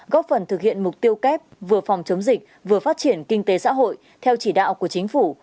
góp phần thực hiện mục tiêu kép vừa phòng chống dịch vừa phát triển kinh tế xã hội theo chỉ đạo của chính phủ